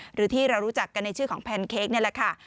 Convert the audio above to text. หรือที่เรารู้จักกันในชื่อของแพนเค้กนี่แหละค่ะ